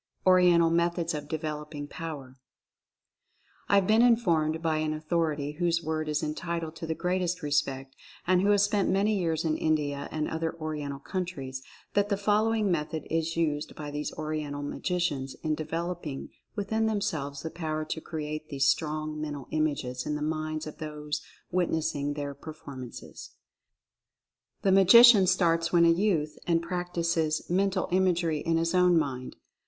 ORIENTAL METHODS OF DEVELOPING POWER. I have been informed by an authority whose word is entitled to the greatest respect, and who has spent many years in India and other Oriental countries, that the following method is used by these Oriental Ma gicians in developing within themselves the power to create these strong Mental Images in the minds of those witnessing their performances : The Ma gician starts when a youth and practices Mental Imagery in his own mind.